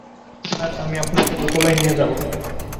Sir, আমি আপনাকে দোতলায় নিয়ে যাব।